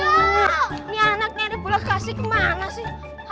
ini anaknya di pulau kasih kemana sih